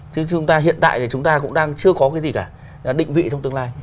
chứ chúng ta hiện tại thì chúng ta cũng đang chưa có cái gì cả định vị trong tương lai